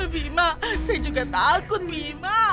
bima saya juga takut bima